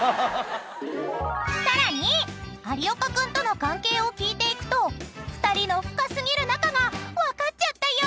［さらに有岡君との関係を聞いていくと２人の深過ぎる仲が分かっちゃったよ］